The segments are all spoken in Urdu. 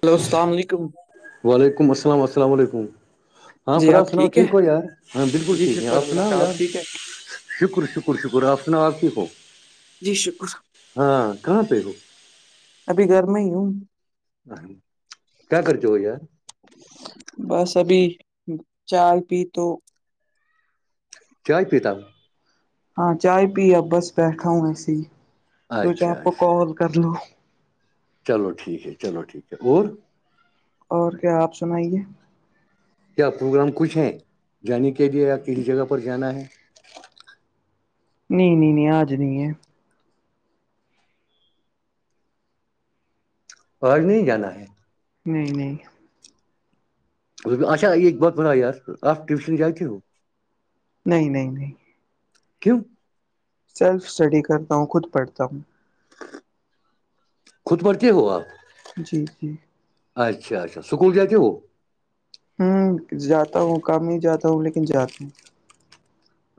ہیلو السلام علیکم وعلیکم السلام السلام علیکم ہاں پر آپ سناؤ ٹھیک ہو یار ہاں بالکل جی ٹھیک ہے شکر آپ اللہ سناؤ کا یار ٹھیک ہے شکر شکر شکر آپ سناؤ اپ آ ٹھیک ہو جی شکر ہاں کہاں پہ ہو ابھی گھر میں ہی ہوں ہکیا کرتے ہو یار بس ابھی چا پی تو چائے پیتاب ہاں چائے پییا بس بیٹھا ہوں اس سوچا اچھا آپ کو اچھا کال کر لو چلو ٹھیک ہے چلو ٹھیک ہے اور اور کیا آپ سنائیے کیا پروگرام کچھ ہیں جانے کے لیے آپ اس جگہ پر جانا ہے نہیں نہیں نہیں آج نہیں ہے اور نہیں جانا ہے نہیں نہیں اچا ایک بات بت یار آپ ٹیوشن جاتے ہو نہیں نہیں نہیں کیوں سیلف اسٹڈی کرتا ہوں خود پڑھتا ہوں خود پرڑتے ہو آ جی جی اچھا اچھا سکول جاتتےے وہ ہوں جاتا ہوں کام ہی جاتا ہوں لیکن جاتا ہوں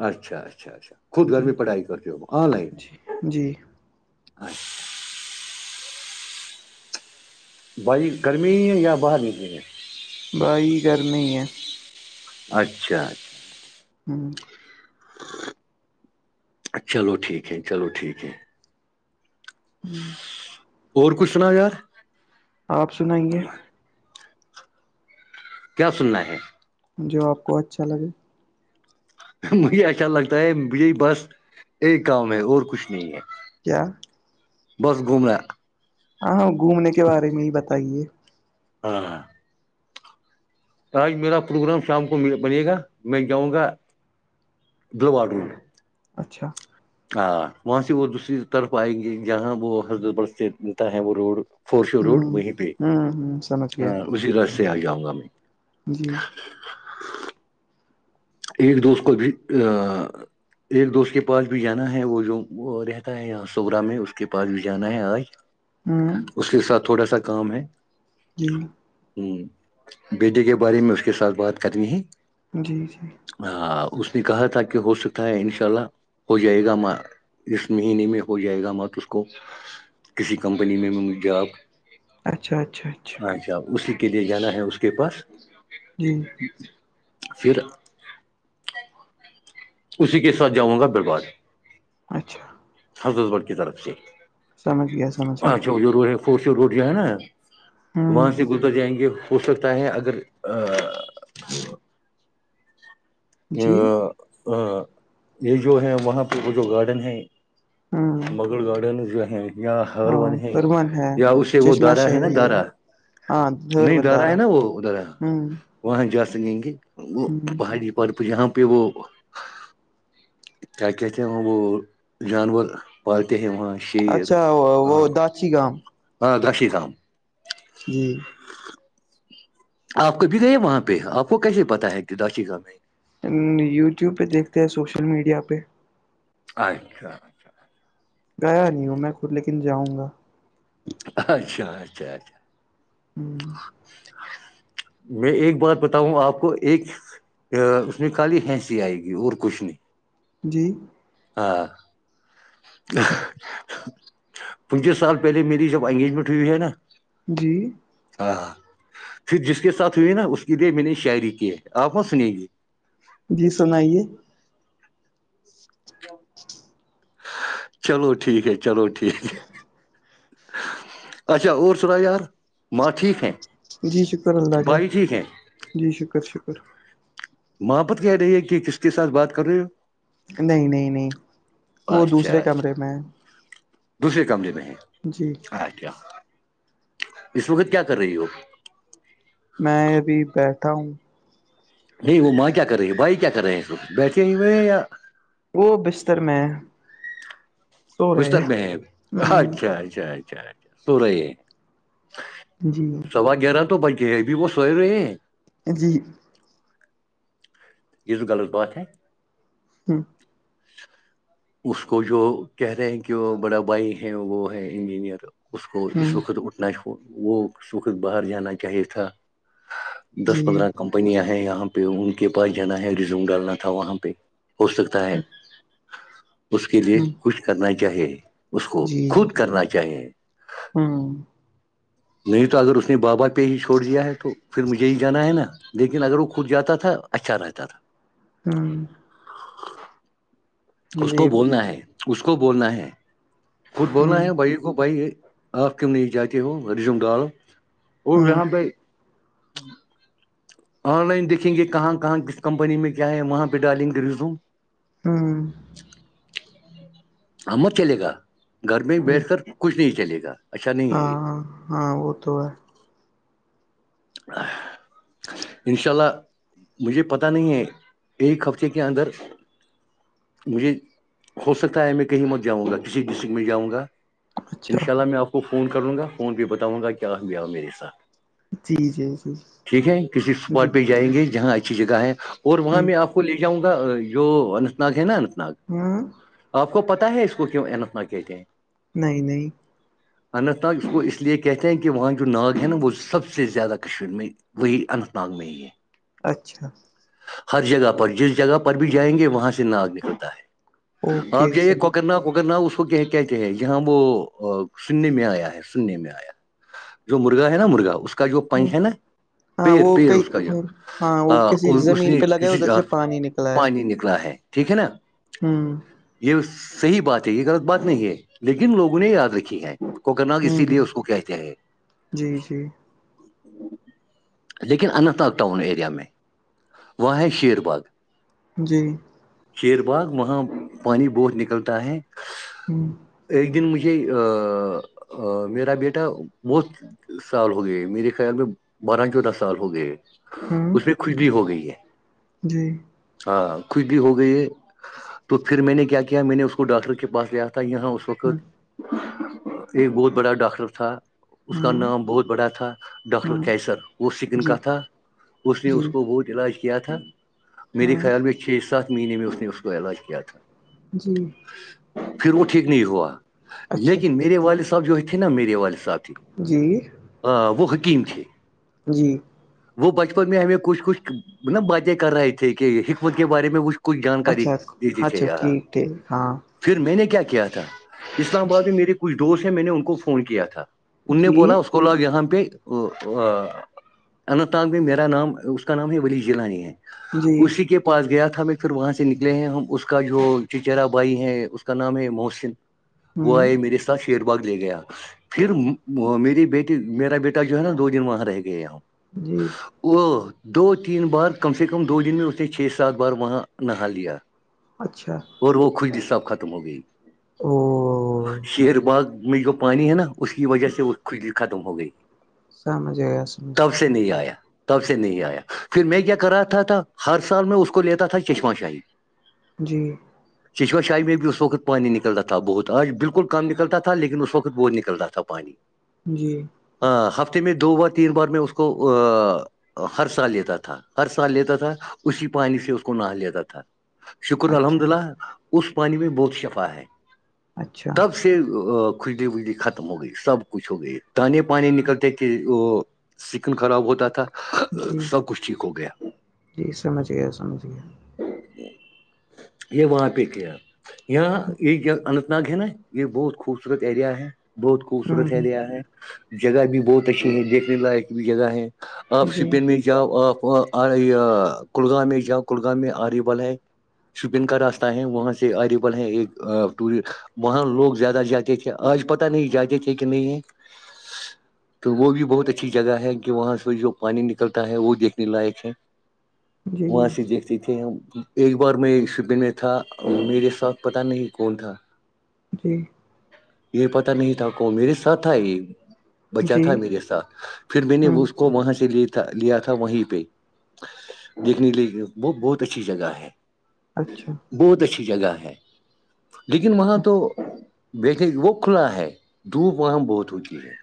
اچھا اچھا اچھا خود گھر جی میں پڑھائی کرتے ہو آن لائن جی جی اچھ بائیک گرمی ہے یا باہر نکلی گے بھائی گرمی ہی ہے اچھا اچھا ہوں چلو ٹھیک ہے چلو ٹھیک ہے ہوں اور کچھ سنا یار آپ سنائیں گے کیا سننا ہے جو آپ کو اچھا لگے مجھے اچھا لگتا ہے مھ بس ایک گاؤں میں اور کچھ نہیں ہے کیا بس گھوم رہ ہاں ہاں گھومنے کے بارے میں ہی بتائیے ہاں ہاں آج میرا پروگرام شام کو بنے گا میں جاؤں گا دلواڈو اچھا ہاں وہاں سے وہ دوسری طرف آئیں گے جہاں وہ حضرت بل سے ملتا ہے وہ روڈ فور شو روڈ ہوں وہیں پہ ہوں ہوں سمجھ گیا اسی راستے آ جاؤں گا میں جی ایک دوست کو بھی ا ایک دوست کے پاس بھی جانا ہے وہ جو رہتا ہے یہاں سرا میں اس کے پاس بھی جانا ہے آج ہوں اس کے ساتھ تھوڑا سا کام ہے جی ہوں بیٹے کے بارے میں اس کے ساتھ بات کرنی ہے جی جی ہاں اس نے کہا تھا کہ ہو سکتا ہے ان شاء اللہ ہو جائے گا اسس مہینے میں ہو جائے گا مت اس کو کسی کمپنی میں مجھ ج آپ اچھا اچھا اچھا اچھا اسی کے لیے جانا ہے اس کے پاس جی پھر اسی کے ساتھ جاؤں گا برباد اچھا حضرت بر کی طرف سے سمجھ گیا سمجھ گیا اچھا وہ ضرور ہے فور س روڈ جو ہے نا ہوں وہاں سے گزر جائیں گے ہو سکتا ہے اگر ا جی یہ جو ہے وہاں پہ وہ جو گارڈن ہے ہوں مغل گارڈنز ہیں یا ہر ون ہاں ہے پرون ہے یا اسے وہ چشمہ دارا ہے نا شاہی دارا ہاں دھیر نہیں اد رہا بندارا ہے نا وہ ادھر ہے ہوں وہاں جا سکیں گے وہ ہوں پہاڑی پرب جاں پہ وہ کیا کہتے ہیں وہاں وہ جانور پالتے ہیں وہاں شیر اچھا وہ ہاں داچی گام [inaudible] جی آپ کو بھی رہے وہاں پہ آپ کو کیسے پتا ہے کہ داش گا میں یوٹیوب پہ دیکھتے ہیں سوشل میڈیا پہ اچھا گیا نہیں ہوں میں خود لیکن جاؤں گا اچھا اچھا اچھا ہوں میں ایک بات بتاؤں آپ کو ایک اس میں کالی ہنسی آئے گی اور کچھ نہیں جی ہاں پچیس سال پہلے میری جب انگیجمنٹ ہوئی ہے نا جی ہاں ہاں پھر جس کے ساتھ ہوئی نا اس کے لیے میں نے شاعری کی ہے آپ وہاں سن گی جی سنائیے چلو ٹھیک ہے چلو ٹھیک ہے اچھا اور سنا یار ماں ٹھیک ہیں جی شکر اللہ کا بھائی ٹھیک ہیں جی شکر شکر محبت کہہ رہی ہے کہ کس کے سھ بات کر رہے ہو نہیں نہیں نہیں وہ اچھا دوسرے اچھا کمرے میں ہے دوسرے کمرے میں ہیں جی اچھا اس وقت کیا کر رہی ہو میں ابھی بیٹھا ہوں نہیں وہ ماں کیا کر رہی ہے بھائی کیا کر رہے ہیں بیٹھے ہی ہوئے یا وہ بستر میں سو رہے بستر ہیں محب ہوں اچھا اچھا اچھا اچھ سو رہی ہے جی سوا گیارہ تو بج گئے ابھی وہ سوئے رہے ہیں جی ز غالط بات ہے ہاں اس کو جو کہہ رہے ہیں کہ وہ بڑا بھائی ہیں وہ ہے انجینئر اس کو اس ہوں وقت اٹھنا وہ اس وقت باہر جانا چاہیے تھا دس جی پندرہ کمپنیاں ہیں یہاں پہ ان کے پاس جانا ہے ریزوم ڈالنا تھا وہاں پہ ہو سکتا ہے اس کے لیے ہوں کچھ کرنا چاہیے اس کو خود کرنا چاہیے ہاں نہیں تو اگر اس نے بابا پہ ہی چھوڑ دیا ہے تو پھر مجھے ہی جانا ہے نا لیکن اگر وہ خود جاتا تھا اچھا رہتا تھا ہاں اس کو جی ب بولنا ہے اس کو بولنا ہے خود بولنا ہوں ہے بھائی بھائی آپ کےم نہیں جاتی ہو رجم ڈال اور ہوں یہاں بائی آن لائن دیکھیں گے کہاں کہاں کس کمپنی میں کیا ہے وہاں پہ ڈالیں گے ریزوم ہوں ہمت چلے گا گھر میں بیٹھ کر کچھ نہیں چلے گا اچھا نہیں ہے ہاں یہ ہاں ہاں وہ تو ہے ان شاء اللہ مجھے پتہ نہیں ہے ایک ہفتے کے اندر مجھے ہو سکتا ہے میں کہیں مت جاؤں گا کسی ڈسٹرکٹ میں جاؤں گا اچھا انشاء اللہ میں آپ کو فون کروں گا فون پہ بتاؤں گا کیا ایاہ میرے ساتھ جی جی جی ٹھیک ہے کسی جی اسپاٹ پہ جائیں گے جہاں اچھی جگہ ہے اور وہاں ہ میں آپ کو لے جاؤں گا جو اننت ناگ ہے نا اننت ناگ ہوں آپ کو پتا ہے اس کو کیوں اتنا کہتے ہیں نہیں نہیں اننت ناگ اس کو اس لیے کہتے ہیں کہ وہاں جو ناگ ہے نا وہ سب سے س سے زیادہ کشمیر میں وہی اننت ناگ میں ہی ہے اچھا ہر جگہ پر جس جگہ پر بھی جائیں گے وہاں سے ناگ نکلتا ہے آپ اوکے جائیے سمجھ کوکرنا کوکرنا اس کو کہ کے کہتے ہیں یہاں وہ سننے میں آیا ہے سننے میں آیا جو مرغا ہے نا مرغا اس کا جو پنکھ ہے نا ہاں پڑ وہ پڑ کئی اس کا یہ ہاں وہ کسی اس نے زمین پہ لگا ہے کسی ط ادھر سے پانی پانی نکلا ہے ٹھیک ہے نا ہاں یہ صحیح بات ہے یہ غلط بات نہیں ہے لیکن لوگوں نے یاد رکھی ہے کو کہنا کہ اسی لیے ہوں اس کو کہتے ہیں جی جی لیکن اننت ناگ ٹاؤن ایریا میں وہاں ہے شیر باغ جی ج شیر باغ وہاں پانی بہت نکلتا ہے ہوں ایک دن مجھے ا میرا بیٹا بہت سال ہو گئے میرے خیال میں بارہ چودہ سال ہو گئے ہوں اس میں کش بھی ہو گئی ہے جی ہاں کچھ بھی ہو گئی ہے تو پھر میں نے کیا میں نے اس کو ڈاکٹر کے پاس لیا تھا یہاں اس وقت ہوں ایک بہت بڑا ڈاکٹر تھا اس کا ہاں نام بہت بڑا تھا ڈاکٹر ہاں کیسر وہ سکن جی کا تھا اس نے جی اس کو بہت علاج کیا کیا تھا میرے ہاں خیال میں چھ سات مہینے میں اس نے اس کا علاج کیا تھا جی پھر وہ ٹھیک نہیں ہوا اچھا لیکن میرے والد صاحب جو ہے تھے نا میرے والد صاحب تھی جی وہ حکیم تھے جی وہ بچپن میں ہمیں کچھ کچھ نا باتیں کر رہے تھے کہ حکمت کے بارے میں کچھ کچھ جانکاری اچھا دیج اچھا چاہے ٹھیک ٹھیک ہاں پھر میں نے کیا کیا تھا اسلام آباد میں میری کچھ دوست ہیں میں نے ان کو فون کیا تھا ان نے جی بولا اس کو لوگ یہاں پہ اننت نگ میں میرا نام اس کا نام ہے ولی جلانی ہے جی اسی کے پاس گیا تھا ہم پھر وہاں سے نکلے ہیں ہم اس کا جو چچرا بھائی ہے اس کا نام ہے محسن وہ ہوں آئے میرے ساتھ شیر باغ لے گیا پھر میری بیٹی میرا بیٹا جو ہے نا دو دن وہاں رہ گئے ہم جی وہ دو تین بار کم سے کم دو دن میں اس نے چھ سات بار وہاں نہا لیا اچھا وہ خش صاب ختم ہو گئی او شیر باغ میں جو پانی ہے نا اس کی وجہ سے وہ کشل ختم ہو گئی سمجھ آ گیا سمجھ تب سے نہیں آیا تب سے نہیں آیا پھر میں کیا کر رہا تھا تھا ہر سال میں اس کو لیتا تھا چشمہ شاہی جی چشما شاہی میں بھی اس وقت پانی نکلتا تھا بہت آج بالکل کم نکلتا تھا لیکن اس وقت بہت نکلتا تھا پانی جی ہ ہفتے میں دو بار تین بار میں اس کو ہر سال لیتا تھا ہر سال لیتا تھا اسی پانی سے اس کو نہا لیتا تھا شکر الحمد اچھا للہ اس پانی میں بہت شفا ہے اچھا تب سے سے کھجلی وجلی ختم ہو گئی سب کچھ ہو گئی تان پانی نکلتے کہ وہ سکن خراب ہوتا تھا جی سب کچھ ٹھیک ہو گیا جی سمجھ گیا سمجھ گیا یہ وہاں پہ کیا یہاں یہ کیا اننت نگ ہے نا یہ بہت خوبصورت ایریا ہے بہت خوبصورت ہوں ایریا ہے جگہ بھی بہت اچھی ہے دیکھنے لائق بھی جگہ ہے آپ جی سپین میں ج کلگام میں جاں کلگام میں آری بل ہے شپین کا راستہ ہے وہاں سے الیبل ہے ایک ٹور وہاں لوگ زیادہ جاتے تھے آج پتہ نہیں جاتے تھے کہ نہیں ہے [inaudible] تو وہ بھی بہت اچھی جگہ ہے کہ وہاں سے جو پانی نکلتا ہے وہ دیکنے لائق ہے جی وہاں سے دیکھتے تھے ہم ایک بار میں شپین میں تھا میرے ساتھ پتا نہیں کون تھا جی یہ پت نہیں تھا کو میرے ساتھ تھا یہ بچا جی تھا میرے ساتھ پھر میں نے ہوں اس کو وہاں سے لے لیا تھا وہیں پہ دیکھنے ل وہ بہت اچھی جگہ ہے اچھا بہت اچھی جگہ ہے لیکن وہاں تو وہ کھلا ہے دھوپ وہاں بہت ہوتی ہے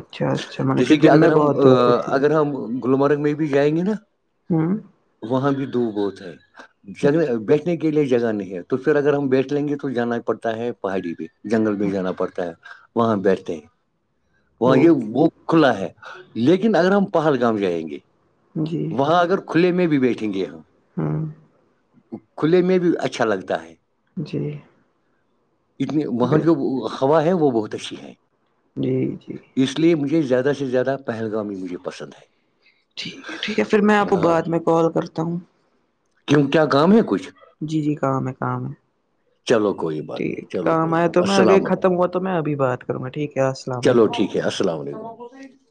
اچھا اچھا مطلب جیسے کہ دن میں اگر ہم بہت دھوپ ہوتی ہے اگر ہم گلمرگ میں بھی جائیں گے نا [inaudible] وہاں بھی دو بہت ہیں اچھا بیھ کے لیے جگہ نہیں ہے تو پھر اگر ہم بیٹھ لیں گے تو جانا پڑتا ہے پہاڑی بھی جنگل میں جانا اچھا پڑتا ہے وہاں بیٹھتے ہیں وہاں یہ اوکے وہ کھلا ہے لیکن اگر ہم پہلگام جائیں گے جی وہاں اگر کھلے میں بھی بیٹھیندی ہے [inaudible] کھلے میں بھی اچھا لگتا ہے جی اتنی وہاں بل جو ہوا ہے وہ بہت اچھی ہے جی جی اس لیے مجھے زیادہ سے زیادہ پہلگام ہی مجھے پسند ہے ٹھیک ہے ٹھیک ہے پھر میں آپ کو ہاں بعد میں کال کرتا ہوں کیوں کیا کام ہے کچھ جی جی کام ہے کام ہے چلو کوئی بات نہیں ٹھیک چلو کام کوئی آئے تو میں اگے السلام ختم ہوا تو میں ابھی بات کروں گا ٹھیک ہے السلام علیکم اھ السلام علیکم